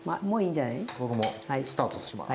じゃ僕もスタートします。